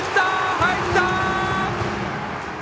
入った！